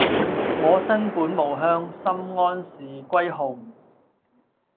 我身本無鄉，心安是歸號